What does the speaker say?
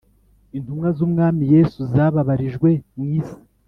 intumwa z'umwami yesu zababarijwe mw isi;